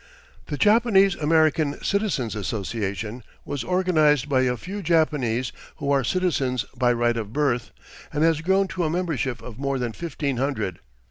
The Japanese American Citizens' Association was organized by a few Japanese who are citizens by right of birth, and has grown to a membership of more than fifteen hundred.